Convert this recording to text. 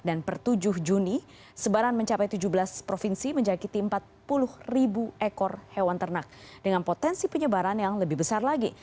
dan per tujuh juni sebaran mencapai tujuh belas provinsi menjakiti empat puluh ribu ekor hewan ternak dengan potensi penyebaran yang lebih besar lagi